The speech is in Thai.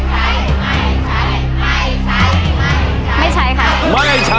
ใช้ไม่ใช้ไม่ใช้ไม่ใช้ไม่ใช้ค่ะไม่ใช้